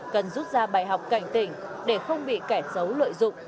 cần rút ra bài học cảnh tỉnh để không bị kẻ xấu lợi dụng